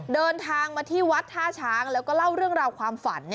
เดินทางมาที่วัดท่าช้างแล้วก็เล่าเรื่องราวความฝัน